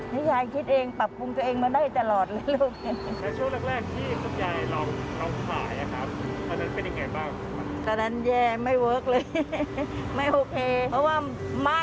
คุณยายได้สูตรขนมปุ๊บมาจากไหนครับ